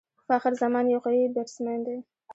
فخر زمان یو قوي بيټسمېن دئ.